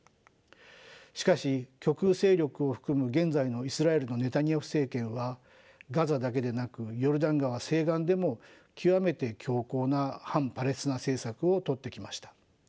しかし極右勢力を含む現在のイスラエルのネタニヤフ政権はガザだけでなくヨルダン川西岸でも極めて強硬な反パレスチナ政策をとってきました。